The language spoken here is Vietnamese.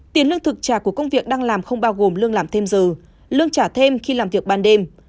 tiền lương thực trả của công việc đang làm không bao gồm lương làm thêm giờ lương trả thêm khi làm việc ban đêm